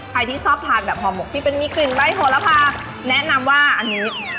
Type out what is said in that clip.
ใครที่ชอบทานแบบห่อหมกที่เป็นมีกลิ่นใบ้โหระพาแนะนำว่าอันนี้